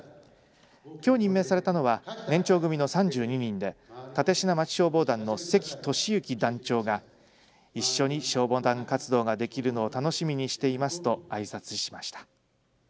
きょう任命されたのは年長組の３２人で立科町消防団の関俊之団長が一緒に消防団活動ができるのを楽しみにしていますとあいさつしました。